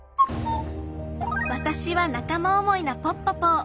わたしは仲間思いなポッポポー。